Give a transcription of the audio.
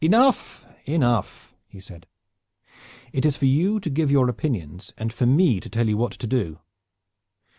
"Enough, enough!" he said. "It is for you to give your opinions, and for me to tell you what you will do.